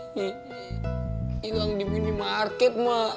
hilang di minimarket mak